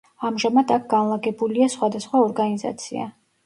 ამჟამად აქ განლაგებულია სხვადასხვა ორგანიზაცია.